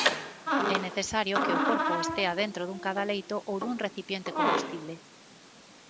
É necesario que o corpo estea dentro dun cadaleito ou dun recipiente combustible.